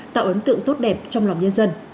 tạo ấn tượng tốt đẹp trong lòng nhân dân